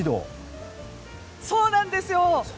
そうなんですよ！